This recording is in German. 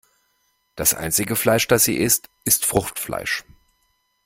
Das einzige Fleisch, das sie isst, ist Fruchtfleisch.